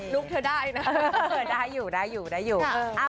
นุกเธอได้นะได้อยู่ได้อยู่ได้อยู่เออ